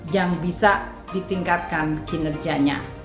yang bisa ditingkatkan kinerjanya